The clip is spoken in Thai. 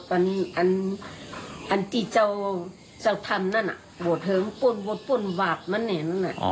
อันที่เจ้าทำนั่นน่ะบวชเธอมันปวดปวดหวาดมันเนี่ยนั่นน่ะ